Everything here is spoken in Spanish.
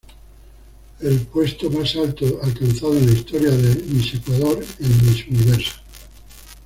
El puesto más alto alcanzado en la historia de Miss Ecuador en Miss Universo.